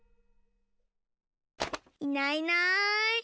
いないいない。